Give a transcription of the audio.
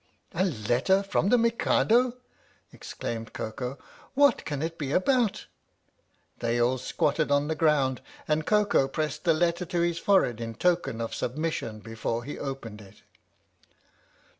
"A letter from the Mikado!" exclaimed Koko. "What can it be about?" They all squatted on the ground, and Koko pressed the letter to his forehead in token of sub mission before he opened it.